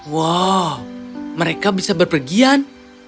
wah mereka bisa berpergian